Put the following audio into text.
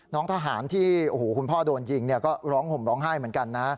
น้องทหารที่โอ้โหคุณพ่อโดนยิงก็ร้องห่มร้องไห้เหมือนกันนะ